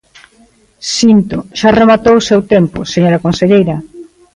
Síntoo, xa rematou o seu tempo, señora conselleira.